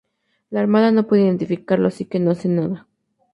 La Armada no puede identificarlo, así que no hacen nada.